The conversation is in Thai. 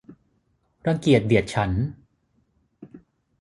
รังเกียจเดียดฉันท์